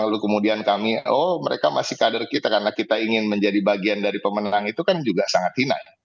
lalu kemudian kami oh mereka masih kader kita karena kita ingin menjadi bagian dari pemenang itu kan juga sangat hina